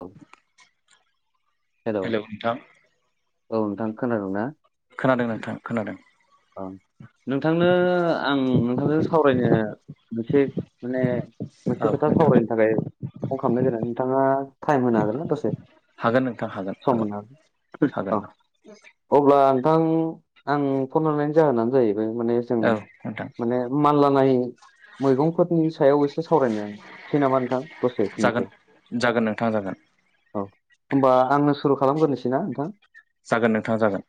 औ हेलौ नोंथां औ नोंथां खोनादों ना? खोनादों नोंथां खोनादों औ नोंथांनो आं नोंथांजों सावरायनो मोनसे माने औ मोनसे खोथा नोंथां सावरायनो थाखाय फन खालामनाय जादों नोंथाङा थाइम होनो हागोन ना दसे हागोन नोंथां हागोन सम हागोन मोन हागोन [unintelligible] अब्ला आं थां आं फन हरनायनि जाहोनानो जाहैबाय माने जों औ औ नोंथां माने मानलानाय मैगंफोरनि सायाव एसे सावरायनोसै नामा नोंथां दसे जागोन बिनिखो जागोन नोंथां जागोन औ होमबा आंनो सुरु खालामग्रोसैनाा नोंथां जागोन नोंथाङा जागोन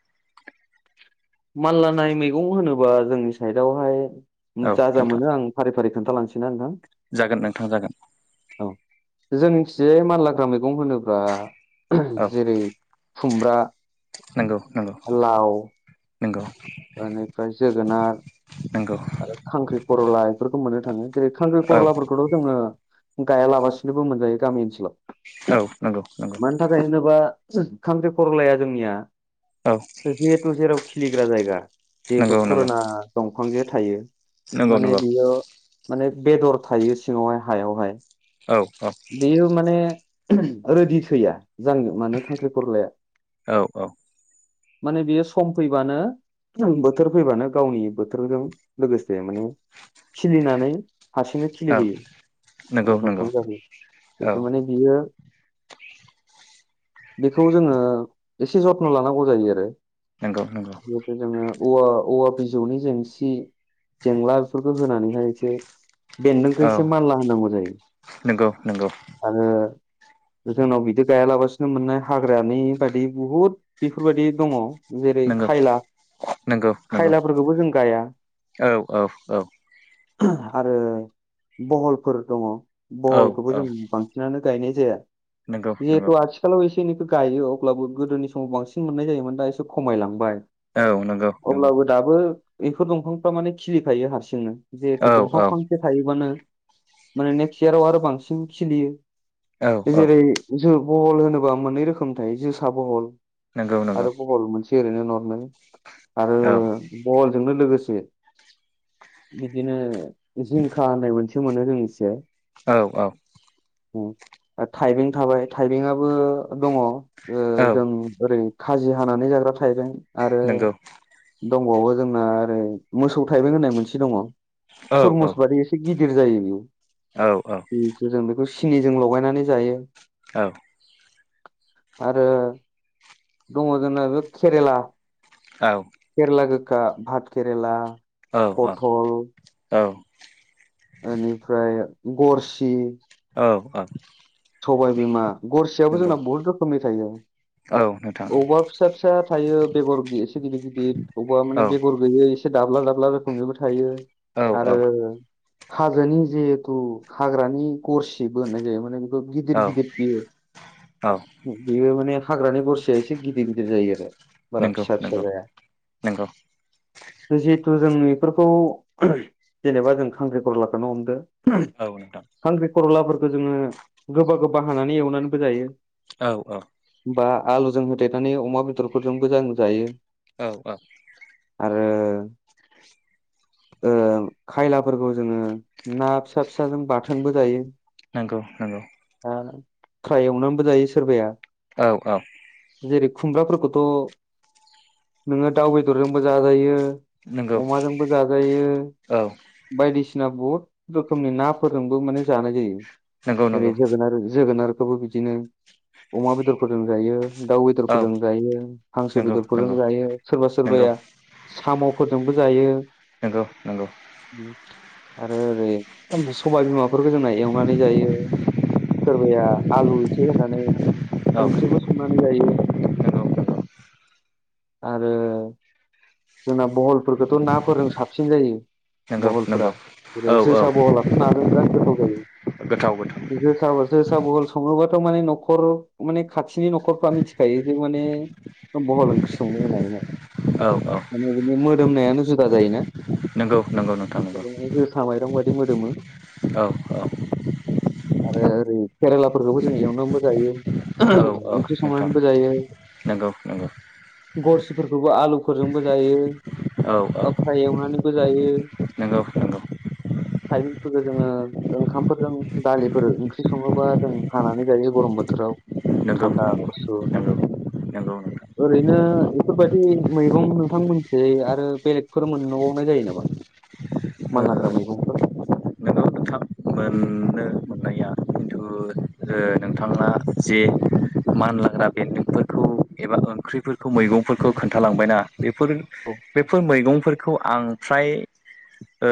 माललाानायनाय मैगं होनोबा जोंनि साइडआवहाय औ जा जा नोंथां मोनो आं फारि फारि खोन्थालांसै ना नोंथां जागोन नोंथाङा जागोन जोंनिथियै मानलाग्रा मैगं होनोब्ला औ जेरै खुमब्रा नंगौ नंगौ लाव नंगौ बेनिफ्राय जोगोनार नंगौ आरो खांख्रि परला बेफोरखौ मोननो थाङो जेरै खांख्रि औ परलाफोरखौथ' जोङो गायालाबासिनोबो मोनजायो गामि ओनसोलाव औ नंगौ नंगौ मानि थाखाय होनोबा खांख्रि खरलाया जोंनिया औ जिहेथु जेराव खिलिग्रा जायगा नंगौ जिहेतु नंगौ फुराना दंफांजों थायो नंगौ माने नंगौ बियो माने बेदर थायो सिङावहाय हायावहाय औ बेयो माने रोदि थैया जां मान खांख्रि खरलाया औ औ माने बियो सम फैबानो बोथोर फैबानो गावनि बोथोरजों लोगोसे माने खिलिनानै हारसिंनो औ खिलिबोयो नंगौ नंगौ दंफां जायो औ बेथ माने बियो बेखौ जोङो एसे जथ्न लानांगौ जायो आरो नंगौ नंगौ [unintelligible] जोङो औवा औवा बिजौनि जेंसि जेंला बेफोरखौ होनानैहाय एसे बेन्दोंखौ औ एसे मानला होनांगौ जायो नंगौ नंगौ आरो जोंनाव बिदि गायालाबसिनो ननो मोननाय हाग्रानि बाददि बुहुद बेफोरबायाददि दङ जेरै नंगौ खायला नंगौ नंगौ खायलाफोरखौबो जों गाया औ औ औ आरो बहलफोर दङ औ बहलखौबो औ जों बांसिनानो गायनाय नंगौ नंगौ जिहेतु आथिखालाव बेखिनिखौ गायो अब्लाबो गोदोनि समाव बांसिन मोननाय जायोमोन दा एसे खमायलांबाय औ नंगौ नंगौ अब्लाबो दाबो बेफोर दंफांफ्रा माने खिलिखायो हारसिंनो औ जिहेतु दंफां फांसे थायोबानो माने नेक्स्ट इयाराव आरो बांसिन खिलियो औ औ जेरै जो बहल होनोबा मोननै रोखोमथायायो जोसा बहल नंगौ नंगौ आरो बहल मोनसे ओरैनो नर्मेल आरो औ बलजोंनो लोगोसे बिदिनो जिंखा होननाय मोनसे मोनो जों एसे औ औ थाइबं थाबाय थाइबंआबो दङ औ जों ओरै खाजि हानानै जाग्रा थाइबाय आरो नंगौ दंबावो जोंना ओरै मोसौ थाइबें होननाय मोनसे दङ औ औ थरमुस बादै एसे गिदिर जायो बेयाव औ जिथ' जों बेखौ सिनिजों लगायनानै जायो औ आरो दङ जोंना बे केरेला केरला गोखा भत केरला औ औ औ बेनिफ्राय गरसि औ औ सबायबिमा गरसेयाबो नंगौ जोंना बहुत रोखोमनि थायो औ नोंथां अबावबा फिसा फिसा थायो बेगर एसे गिदिर गिदिर अबेबा माने औ बेगर गैयै एसे एसे दाब्ला दाब्ला रोखोमनिबो थायो औ आरो औ हाजोनि जिहेथु हाग्रानि गरसिबो होननाय जायो माने बेखौ गिदिर औ गिदिर बियो औ बेयो । माने हाग्रानि गरसिया एसे गिदिर गिदिर जायो आरो बारा नंगौ फिसा फिसा नंगौ जाया नंगौ जि तु जों बेफोरखौ जेनेबा जों खांख्रिखरलाखौनो हमदो औ नोंथां खरलाफोरखौ जोङो गोबा गोबा हानानै एवनानैबो जायो औ औ बा आलुजों होदेरनानै अमा बेदरफोरजोंबो जां जायो औ औ आरो ओ खायलाफोरखौ जोङो ना फिसा फिसाजों बाथोनबो जायो नंगौ नंगौ दा फ्राय एवनानैबो जायो सोरबाया औ औ जेरै खुमब्राफोरखौथ' नोङो दाउ बेदरजोंबो जाजायो नंगौ अमाजोंबो जाजायो औ बायदिसि सिना बहुत रोखोमनि नाफोरजोंबो माने जानाय जायो नंगौ ओरै नंगौ जोगोनार जोगोनारखौबो बिदिनो अमा बेदरफोरजोंजायो दाउ औ बेदरफोरजों जायो हांसो नंगौ बेदरफोरजों नंगौ जायो सोरबा नंगौ नंगौ सोरबाया साम' फोरजोंबो जायो नंगौ नंगौ आरो ओरै सबाय बिमाफोरखौ जोंना एवनानै जायो सोरबाया आलु एसे होनानै ओंख्रिबो संनानै जायो आरो जोंना बहलफोरखौथ' नाफोरजों साबसिन जायो नंगौ बहलफ्रा नंगौ जेरै औ औ जोसा बहलाथ' नाजों बिराद गोथाव गोथाव गोथाव जायो जोसा जोसाबहल सङोबा थ' माने न'खर माने खाथिनि न'खरफ्रा मिथिखायो जे माने बहल ओंख्रि संदों होननानैहाय औ औ माने बिनि मोदोमनायानो जुदा जायोना नंगौ नंगौ नोंथां नंगौ जेने माने जोसा माइरं बायदि मोदोमो औ औ आरो ओरै केरेलाफोरखौबो जों एवनानैबो जायो औ औ ओंख्रि नोंथां संनानैबो जायो नंगौ नंगौ गरसिफोरखौबो आलु खरजोंबो जायो औ औ बा फ्राय एवनानैबो जायो नंगौ नंगौ खाय फोर जोङो ओंखामफोरजों दालिफोर ओंख्रि सङोबा जों हानानै जायो गरम बोथोराव नंगौ थान्दा नंगौ गुसुनो नंगौ नंगौ नोंथां ओरैनो बेफोरबायदि मैगं न नोंथां मोनसे आरो बेलेगफोर मोनबावनाय जायो नामा मानलाग्रा मैगंफोर थाब मोननो नोंथांना जे मानलाग्रा बेन्दोंफोरखौ एबा ओंख्रिफोरखौ मैगंफोरखौ खोन्थालांबायना बेफोर औ बेफोर मैगं फोरखौ आं फ्राय ओ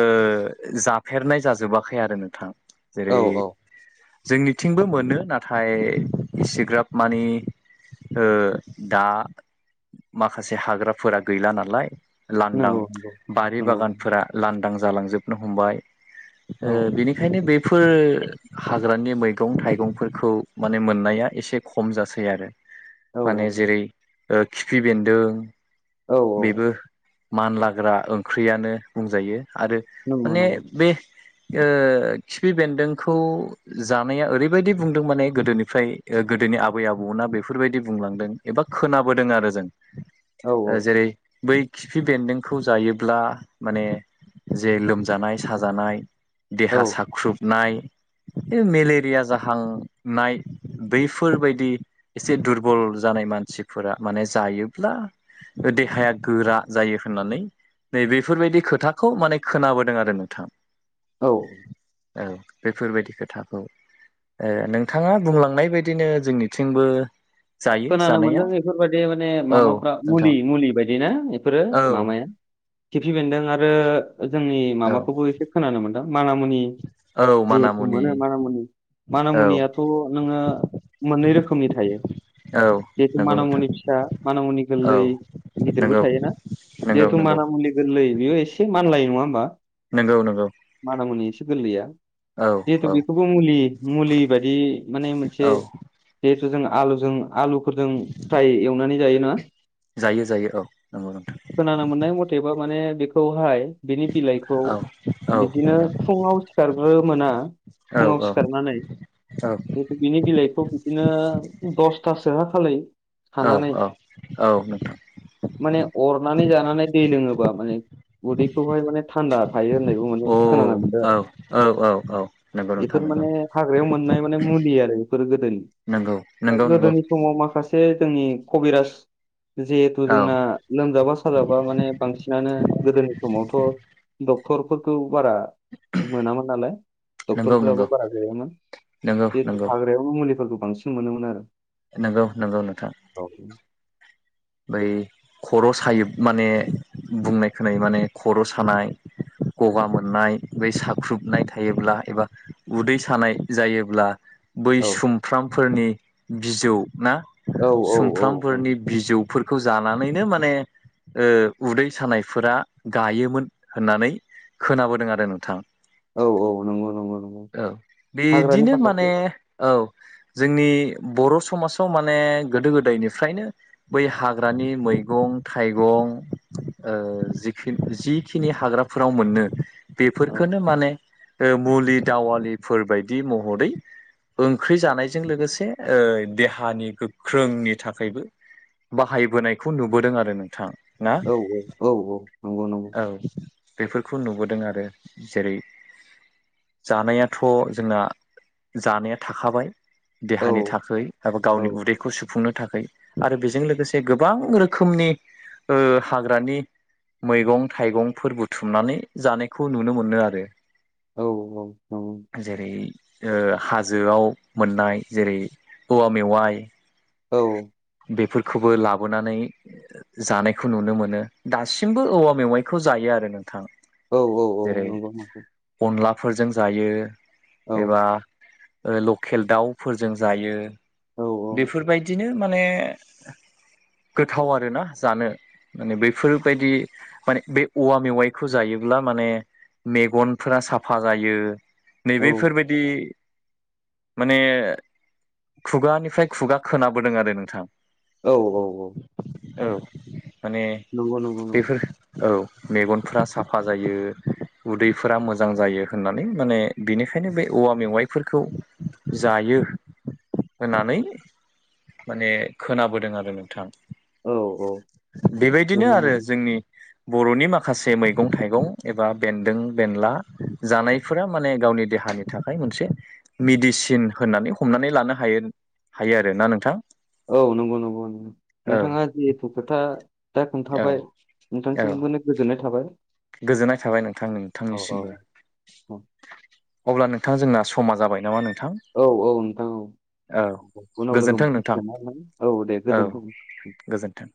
जाफेरनाय जाजोबाखै आरो नोंथां औ जेरै औ जोंनिथिंबो मोनो नाथाय इसेग्राब माने ओ दा माखासे हाग्राफोरा गैला नालाय लांदां नंगौ नंगौ बारि नंगौ बागानफोरा लांदां जालांजोबनो हमबाय औ ओ बिनिखायनो बेफोर हाग्रानि मैगं थाइगंफोर खौ माने मोननाया एसे खम जासै आरो औ माने जेरै ओ खिफि बेन्दों। औ औ बेबो मानलाग्रा ओंख्रियानो बुंजायो आरो नंगौ माने नंगौ बे ओ खिफि बेन्दोंखौ जानाया ओरैबायदि बुंदों माने गोदोनिफ्राय गोदोनि आबै आबौना बेफोरबायदि बुंलांदों एबा खोनाबोदों आरो जों औ ओ औ जेरै बै खिफि बेन्दोंखौ जायोब्ला माने जे लोमजानाय साजानाय देहा औ साख्रुबनाय बे मेलेरिया जाह हांनाय बैफोरबायदि एसे दुरबल जानाय मानसिफोरा माने जा हायोब्ला देहाया गोरा जायो होननानै नै बेफोरबायदि खोथाखौ माने खोनाबोदों आरो नोंथां। औ औ बेफोरबायदि खोथा‌ औ। ओ नोंथाङा बुंलांनाय बायदिनो जोंनिथिंबो जायो खोनानो मोन्दों जानाया बेफोरबायदि माने औ माबाफ्रा मुलि नोंथां मुलि औ खिफि बेन्दों आरो जोंनि औ माबाखौबो एसे खोनानो मोनदों माना मुनि औ माना जिहेतु मुनि मोनो माना मुनि औ मानामुनियाथ' नोङो मोन्नै रोखोमनि थायो। औ जिहेथु नंगौ नोंथां मानामुनि फिसा मानामुनि औ गोरलै गिदिरबो नंगौ थायोना। नंगौ जिहेथु नंगौ मानामुनि गोरलै बेयो एसे मानलायो नङा होमबा? नोंगौ नोंगौ गोरलै आ। जिहेथु बेखौबो मुलि मुलि बायदि माने मोनसे औ जों आलुजों आलुफोरदों फ्राय एवनानै जायोना। जायो जायो औ नंगौ नोंथां खोनानो मोननाय मतेबा माने बेखौहाय बिनि बिलाइखौ औ बिदिनो नोंथां फुङाव सिखारग्रोमोना औ फुङाव औ सिखारनानै औ [unintelligible] औ खानानै औ औ नोंथां। माने अरनानै जानानै दै लोङोबा माने उदैखौहाय माने थान्दा । हायो होननायबो माने औ खोनानो मोनदों आरो औ औ औ नंगौ बेफोर नोंथां नंगौ माने हाग्रायाव मोननाय माने मुलि आरो बेफोर गोदोनि नंगौ नंगौ नंगौ गोदोनि समाव माखासे जोंनि कबिराज जिहेथु औ जोंना लोमजाबा साजाबा माने बांसिनानो गोदोनि समावथ'। डक्टरफोरखौ बारा मोनामोन नालाय नंगौ नंगौ डक्टरफोराबो बारा गैयामोन। नंगौ जिहेथु नंगौ हाग्रायाव मुलिफोरखौ बांसिन मोनोमोन आरो नंगौ नंगौ नोंथां। औ बै खर' सायो माने बुंनाय खोनायो माने खर' सानाय। गगा मोननाय बै साख्रुबनाय थायोब्ला एबा उदै सानाय जायोब्ला बै औ सुमफ्रामफोरनि बिजौ ना औ औ औ नंगौ सुमफ्रामफोरनि बिजौ फोरखौ जानानैनो माने ओ उदै सानायफोरा गायोमोन होननानै खोनाबोदों आरो नोंथां। औ औ नंगौ नंगौ नंगौ औ हाग्रानि बिदिनो माखासे माने औ। जोंनि बर' समाजाव माने गोदो गोदायनिफ्रायनो बै हाग्रानि मैगं थाइगं ओ जिखिन जिखिनि हाग्रा फोराव मोननो औ बेफोरखोननो माने ओ मुलि दावालिफोर बायदि महरै ओंख्रि जानायजों लोगोसे ओ देहानि गोख्रोंनि थाखायबो बाहायबोनायखौ नुबोदों आरो नोंथां। ना औ औ औ औ नंगौ नंगौ। औ बेफोरखौ नुबोदों आरो। जेरै जानायाथ' जोंना जानाया थाखाबाय। औ देहानि थाखै एबा औ गावनि उदैखौ सुफुंनो थाखै आरो बेजों लोगो गोसे गोबां रोखोमनि ओ हाग्रानि मैगं थाइगंफोर बुथुमनानै जानायखौ नुनो मोनो आरो। औ औ नंगौ। जेरै ओ हाजोआव मोननाय जेरै औवा मेवाइ औ खौबो लाबोनानै जानायखौ नुनो मोनो। दासिमबो औवा मेवाइखौ जायो आरो नोंथां। औ औ औ जेरै नंगौ नंगौ अनलाफोरजों जायो। औ औ एबा लकेल दाव फोरजों जायो। बेफोरबायदिनो माने गोथाव आरोना जानो । माने बैफोरबायदि माने बे औवा मेवाइखौ जायोब्ला माने मेगनफोरा साफा जायो। नैबे फोरबायदि माने खुगानि फ्राय खुगा खोनाबोदों आरो नोंथां। औ औ औ औ माने नंगौ नंगौ नंगौ बेफोर औ मेगनफ्रा साफा जायो। उदैफोरा मोजां जायो होननानै। माने बिनिखायनो बे औवा मेवाइफोरखौ जायो होननानै माने खोनाबोदों आरो नोंथां। औ औ बेबायदिनो नंगौ आरो नंगौ जोंनि बर'नि माखासे मैगं थाइगं एबा बेन्दों बेनला जानायफोरा माने गावनि दे हानि थाखाय मोनसे मिडिसिन होननानै हमनानै लानो हायो, हायो आरोना नोंथां? औ नंगौ नंगौ नंगौ। औ नोंथांङा जिहेथु खोथा दा औ खोन्थाबाय औ नोंथांसिमबोनो गोजोननाय थाबाय। गोजोननाय थाबाय नोंथां औ औ नोंथांनिसिमबो। औ अब्ला नोंथां जोंना समा जाबायनामा नो औ औ नोंथां औ उनाव लोगो गोजोन्थों नोंथां मोनफिनसिगोन ना नोथां? औ दे गोजोनथों। गोजोन्थों